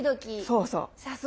そうそう。